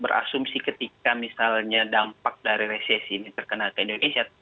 berasumsi ketika misalnya dampak dari resesi ini terkena ke indonesia